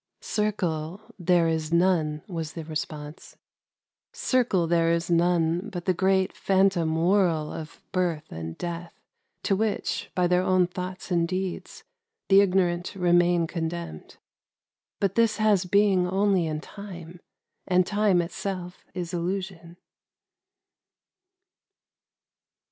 '' "Circle there is none," was the response; — "Circle there is none but the great phan tom whirl of birth and death to which, by their own thoughts and deeds, the ignorant remain condemned. But this has being only in Time ; and Time itself is illusion."